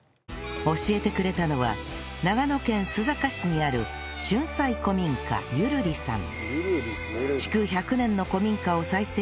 教えてくれたのは長野県須坂市にある旬菜古民家ゆるりさん